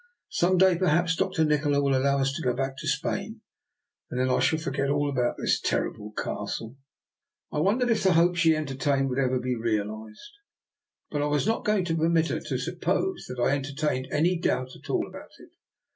Some day perhaps Dr. Nikola will allow us to go back to Spain, and then I shall forget all about this terrible Castle.'* I wondered if the hope she entertained would ever be realized. But I was not going to permit her to suppose that I entertained any doubt at all about it.